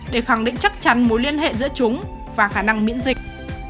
để khẳng định chắc chắn mối liên hệ giữa chúng và khả năng miễn dịch